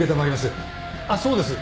あっそうです。